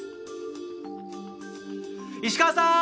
石川さん！